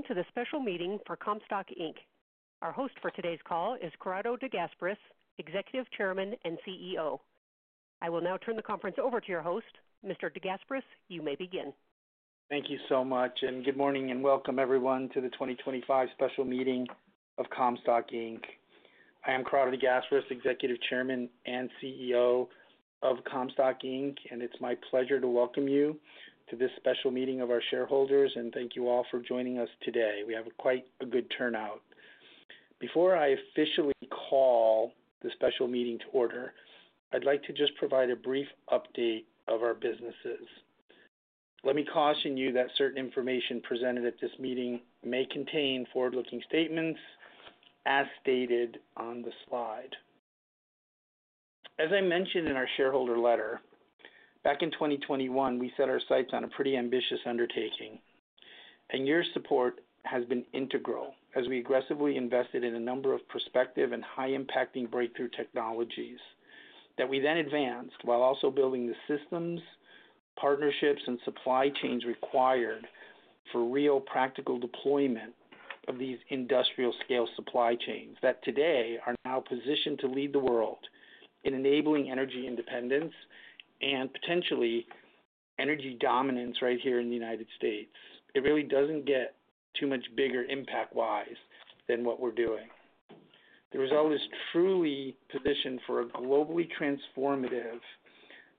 Welcome to the special meeting for Comstock. Our host for today's call is Corrado De Gasperis, Executive Chairman and CEO. I will now turn the conference over to your host. Mr. De Gasperis, you may begin. Thank you so much, and good morning and welcome everyone to the 2025 special meeting of Comstock. I am Corrado De Gasperis, Executive Chairman and CEO of Comstock, and it's my pleasure to welcome you to this special meeting of our shareholders, and thank you all for joining us today. We have quite a good turnout. Before I officially call the special meeting to order, I'd like to just provide a brief update of our businesses. Let me caution you that certain information presented at this meeting may contain forward-looking statements as stated on the slide. As I mentioned in our shareholder letter, back in 2021, we set our sights on a pretty ambitious undertaking, and your support has been integral as we aggressively invested in a number of prospective and high-impacting breakthrough technologies that we then advanced while also building the systems, partnerships, and supply chains required for real practical deployment of these industrial-scale supply chains that today are now positioned to lead the world in enabling energy independence and potentially energy dominance right here in the United States. It really doesn't get too much bigger impact-wise than what we're doing. The result is truly positioned for a globally transformative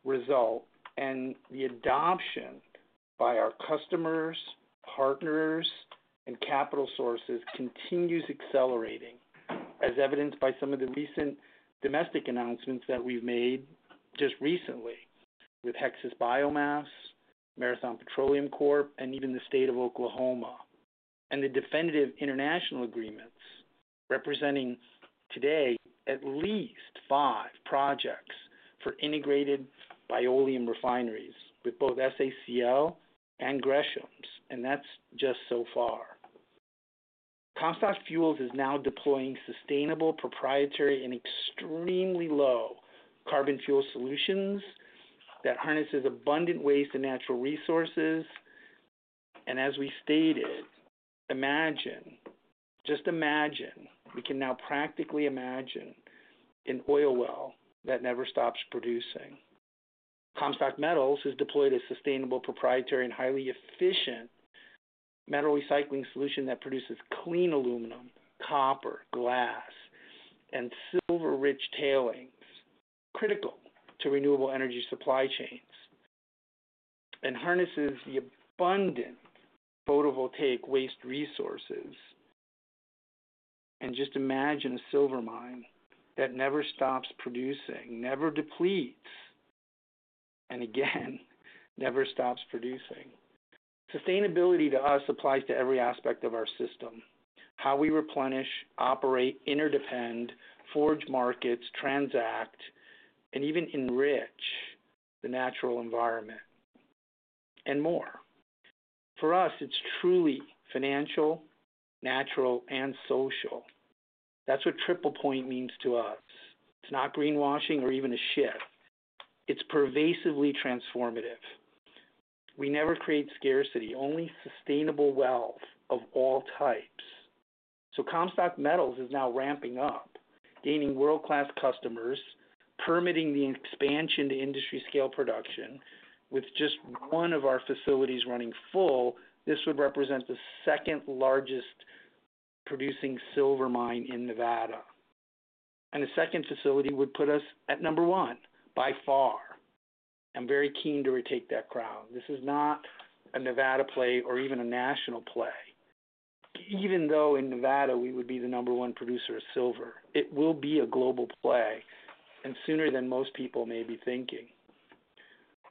result, and the adoption by our customers, partners, and capital sources continues accelerating, as evidenced by some of the recent domestic announcements that we've made just recently with Hexas Biomass, Marathon Petroleum, and even the state of Oklahoma, and the definitive international agreements representing today at least five projects for integrated Bioleum refineries with both SACL and Gresham House, and that's just so far. Comstock Fuels is now deploying sustainable, proprietary, and extremely low-carbon fuel solutions that harness abundant waste and natural resources, and as we stated, imagine, just imagine, we can now practically imagine an oil well that never stops producing. Comstock Metals has deployed a sustainable, proprietary, and highly efficient metal recycling solution that produces clean aluminum, copper, glass, and silver-rich tailings critical to renewable energy supply chains and harnesses the abundant photovoltaic waste resources. Just imagine a silver mine that never stops producing, never depletes, and again, never stops producing. Sustainability to us applies to every aspect of our system: how we replenish, operate, interdepend, forge markets, transact, and even enrich the natural environment, and more. For us, it's truly financial, natural, and social. That's what Triple Point means to us. It's not greenwashing or even a shift. It's pervasively transformative. We never create scarcity, only sustainable wealth of all types. Comstock Metals is now ramping up, gaining world-class customers, permitting the expansion to industry-scale production. With just one of our facilities running full, this would represent the second-largest producing silver mine in Nevada, and the second facility would put us at number one by far. I'm very keen to retake that crown. This is not a Nevada play or even a national play. Even though in Nevada we would be the number one producer of silver, it will be a global play sooner than most people may be thinking.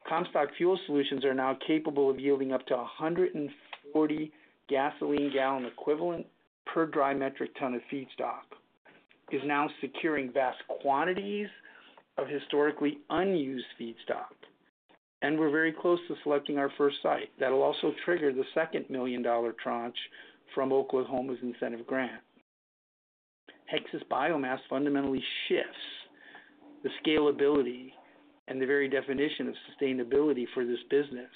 Comstock Fuel Solutions are now capable of yielding up to 140 gasoline gallon equivalent per dry metric ton of feedstock, is now securing vast quantities of historically unused feedstock, and we're very close to selecting our first site. That'll also trigger the second $1 million tranche from Oklahoma's incentive grant. Hexas Biomass fundamentally shifts the scalability and the very definition of sustainability for this business,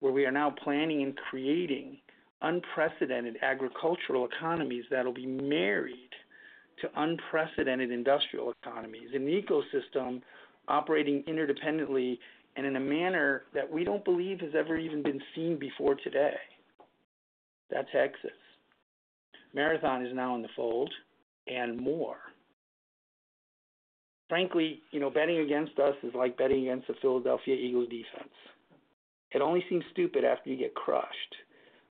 where we are now planning and creating unprecedented agricultural economies that'll be married to unprecedented industrial economies and ecosystem operating interdependently and in a manner that we don't believe has ever even been seen before today. That's Hexas. Marathon is now in the fold and more. Frankly, betting against us is like betting against the Philadelphia Eagles defense. It only seems stupid after you get crushed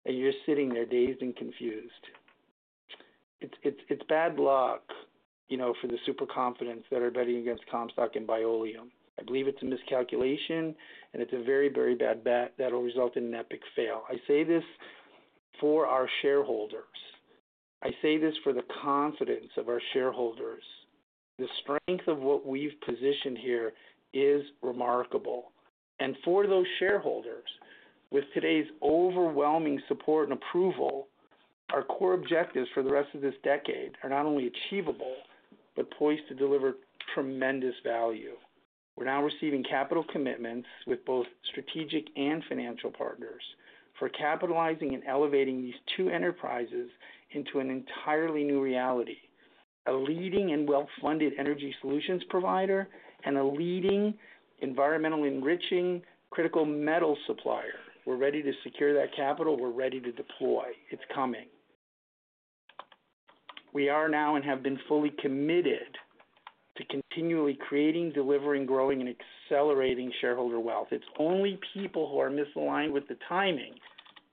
and you're just sitting there dazed and confused. It's bad luck for the super confidence that are betting against Comstock and Bioleum. I believe it's a miscalculation, and it's a very, very bad bet that'll result in an epic fail. I say this for our shareholders. I say this for the confidence of our shareholders. The strength of what we've positioned here is remarkable, and for those shareholders, with today's overwhelming support and approval, our core objectives for the rest of this decade are not only achievable but poised to deliver tremendous value. We're now receiving capital commitments with both strategic and financial partners for capitalizing and elevating these two enterprises into an entirely new reality: a leading and well-funded energy solutions provider and a leading environmental enriching critical metal supplier. We're ready to secure that capital. We're ready to deploy. It's coming. We are now and have been fully committed to continually creating, delivering, growing, and accelerating shareholder wealth. It's only people who are misaligned with the timing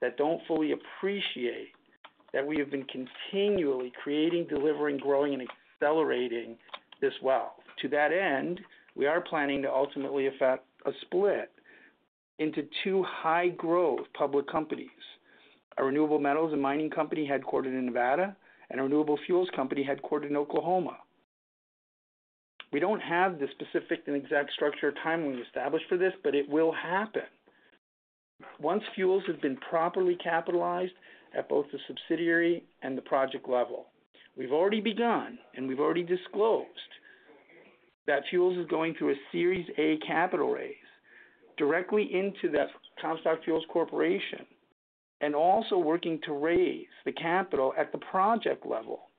that don't fully appreciate that we have been continually creating, delivering, growing, and accelerating this wealth. To that end, we are planning to ultimately effect a split into two high-growth public companies: a renewable metals and mining company headquartered in Nevada and a renewable fuels company headquartered in Oklahoma. We don't have the specific and exact structure or timeline established for this, but it will happen once fuels have been properly capitalized at both the subsidiary and the project level. We've already begun, and we've already disclosed that fuels is going through a Series A capital raise directly into the Comstock Fuels Corporation and also working to raise the capital at the project level,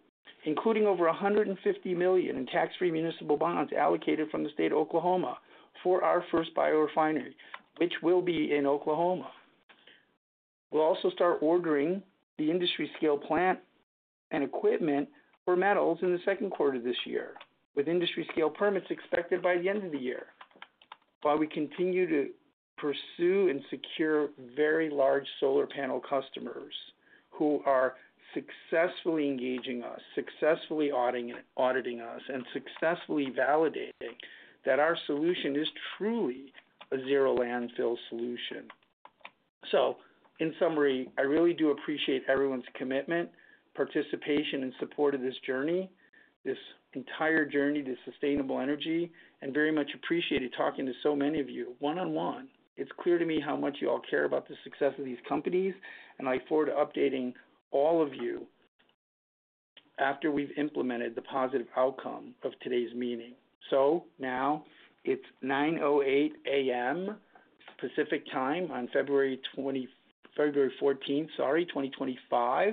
including over $150 million in tax-free municipal bonds allocated from the state of Oklahoma for our first biorefinery, which will be in Oklahoma. We'll also start ordering the industry-scale plant and equipment for metals in the second quarter of this year, with industry-scale permits expected by the end of the year while we continue to pursue and secure very large solar panel customers who are successfully engaging us, successfully auditing us, and successfully validating that our solution is truly a zero landfill solution. In summary, I really do appreciate everyone's commitment, participation, and support of this journey, this entire journey to sustainable energy, and very much appreciated talking to so many of you one-on-one. It's clear to me how much you all care about the success of these companies, and I look forward to updating all of you after we've implemented the positive outcome of today's meeting. Now it's 9:08 A.M. Pacific Time on February 14th, sorry, 2025.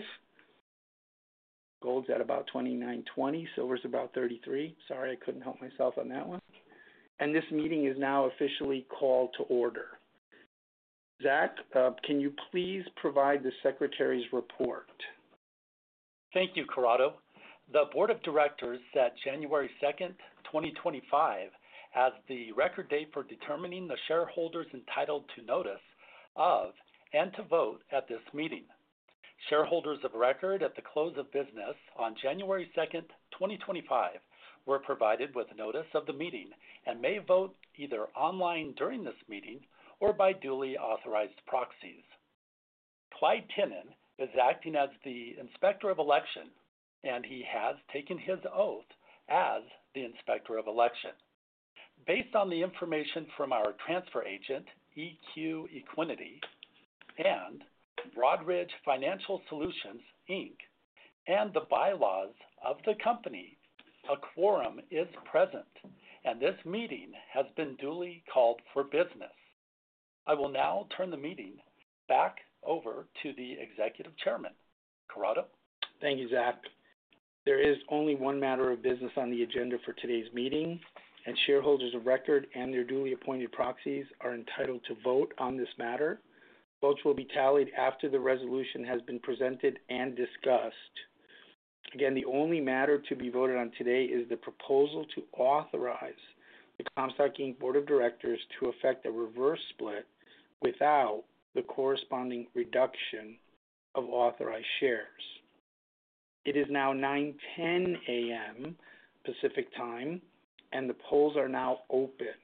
Gold's at about $2,920, silver's about $33. Sorry, I couldn't help myself on that one. This meeting is now officially called to order. Zach, can you please provide the secretary's report? Thank you, Corrado. The board of directors set January 2, 2025 as the record date for determining the shareholders entitled to notice of and to vote at this meeting. Shareholders of record at the close of business on January 2, 2025, were provided with notice of the meeting and may vote either online during this meeting or by duly authorized proxies. Clyde Pinnon is acting as the inspector of election, and he has taken his oath as the inspector of election. Based on the information from our transfer agent, EQ and Broadridge Financial Solutions, Inc., and the bylaws of the company, a quorum is present, and this meeting has been duly called for business. I will now turn the meeting back over to the Executive Chairman. Corrado? Thank you, Zach. There is only one matter of business on the agenda for today's meeting, and shareholders of record and their duly appointed proxies are entitled to vote on this matter. Votes will be tallied after the resolution has been presented and discussed. Again, the only matter to be voted on today is the proposal to authorize the Comstock board of directors to effect a reverse split without the corresponding reduction of authorized shares. It is now 9:10 A.M. Pacific Time, and the polls are now open.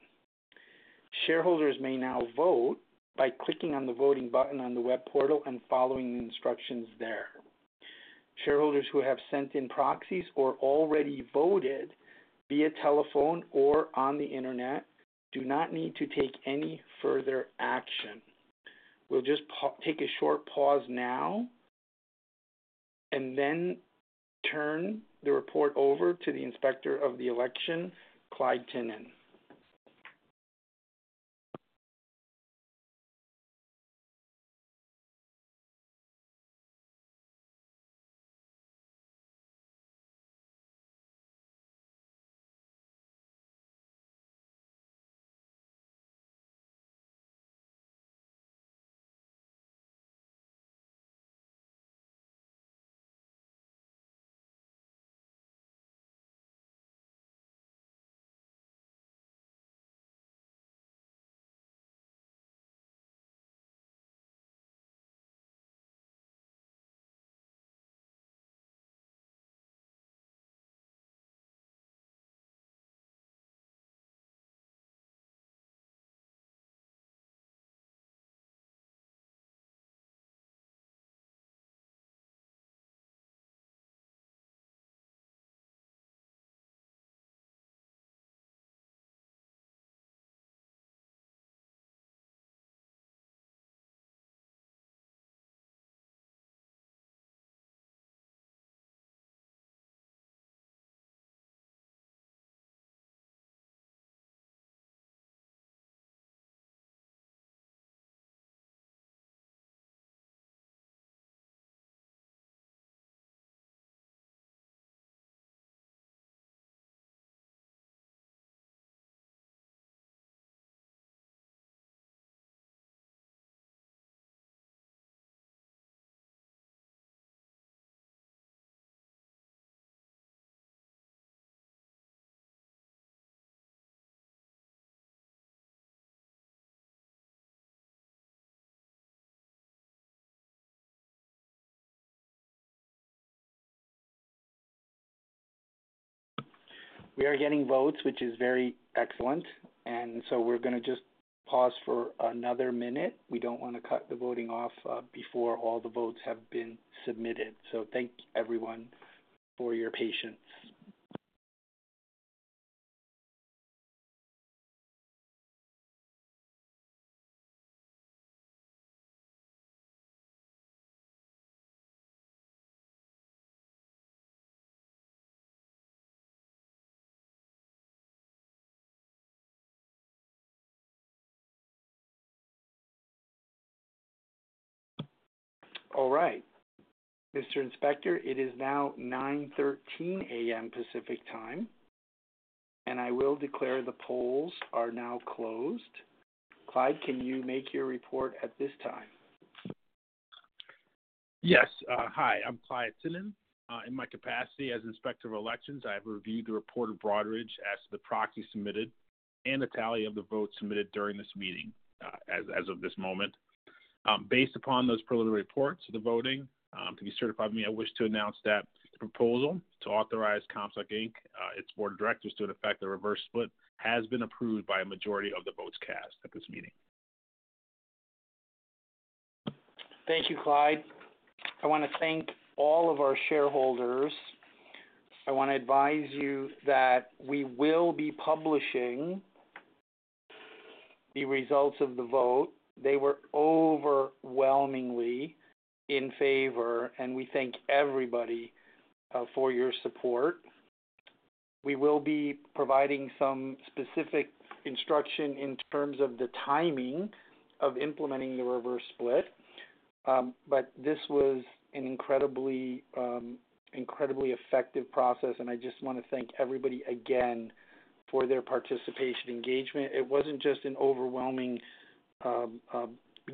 Shareholders may now vote by clicking on the voting button on the web portal and following the instructions there. Shareholders who have sent in proxies or already voted via telephone or on the internet do not need to take any further action. We'll just take a short pause now and then turn the report over to the inspector of the election, Clyde Pinnon. We are getting votes, which is very excellent, and we are going to just pause for another minute. We do not want to cut the voting off before all the votes have been submitted. Thank everyone for your patience. All right. Mr. Inspector, it is now 9:13 A.M. Pacific Time, and I will declare the polls are now closed. Clyde, can you make your report at this time? Yes. Hi. I'm Clyde Pinnon. In my capacity as inspector of elections, I have reviewed the report of Broadridge as to the proxies submitted and the tally of the votes submitted during this meeting as of this moment. Based upon those preliminary reports of the voting, to be certified by me, I wish to announce that the proposal to authorize Comstock, its board of directors, to effect a reverse split has been approved by a majority of the votes cast at this meeting. Thank you, Clyde. I want to thank all of our shareholders. I want to advise you that we will be publishing the results of the vote. They were overwhelmingly in favor, and we thank everybody for your support. We will be providing some specific instruction in terms of the timing of implementing the reverse split, but this was an incredibly effective process, and I just want to thank everybody again for their participation and engagement. It wasn't just an overwhelming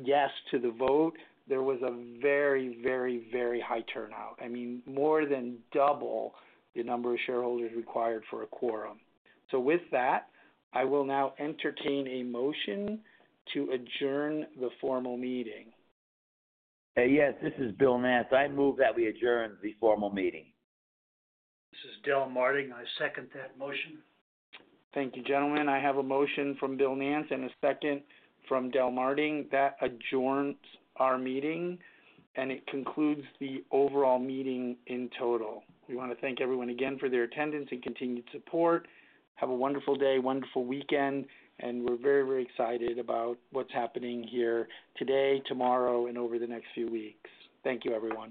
yes to the vote. There was a very, very, very high turnout. I mean, more than double the number of shareholders required for a quorum. With that, I will now entertain a motion to adjourn the formal meeting. Yes. This is William Nance. I move that we adjourn the formal meeting. This is Del Marting. I second that motion. Thank you, gentlemen. I have a motion from William Nance and a second from Del Marting. That adjourns our meeting, and it concludes the overall meeting in total. We want to thank everyone again for their attendance and continued support. Have a wonderful day, wonderful weekend, and we're very, very excited about what's happening here today, tomorrow, and over the next few weeks. Thank you, everyone.